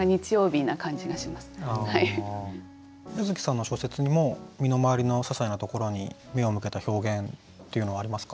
何かそれが椰月さんの小説にも身の回りのささいなところに目を向けた表現っていうのはありますか？